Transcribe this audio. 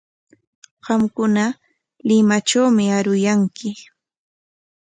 Qamkuna Limatrawmi aruyanki.